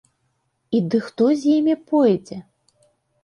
І ды хто з імі пойдзе?!